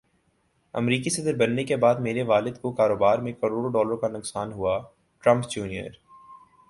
امریکی صدربننے کےبعد میرے والد کوکاروبار میں کروڑوں ڈالر کا نقصان ہوا ٹرمپ جونیئر